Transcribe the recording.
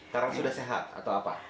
karena sudah sehat atau apa